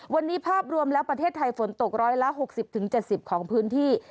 วันนี้ภาพรวมแล้วประเทศไทยฝนตกร้อยละ๖๐๗๐ของพื้นที่